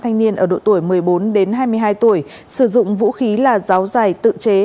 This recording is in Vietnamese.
thanh niên ở độ tuổi một mươi bốn đến hai mươi hai tuổi sử dụng vũ khí là giáo dài tự chế